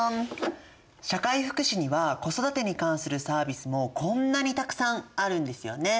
社会福祉には子育てに関するサービスもこんなにたくさんあるんですよね。